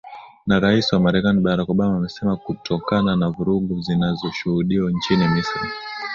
na rais wa marekani barack obama amesema kutokana na vurugu zinazoshuhudiwa nchini misri